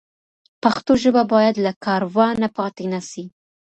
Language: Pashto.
پښتو ژبه باید له کاروانه پاتې نه سي.